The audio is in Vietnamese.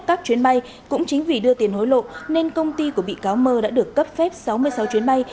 các chuyến bay cũng chính vì đưa tiền hối lộ nên công ty của bị cáo mơ đã được cấp phép sáu mươi sáu chuyến bay